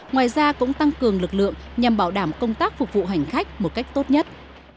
ngoài ra cũng tăng cường lực lượng nhằm bảo đảm công tác phục vụ hành khách một cách tốt nhất